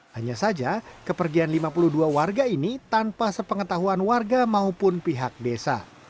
hanya saja kepergian lima puluh dua warga ini tanpa sepengetahuan warga maupun pihak desa